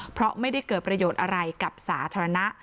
เพราะไม่ได้เกิดประโยชน์อะไรกับสาธารณะ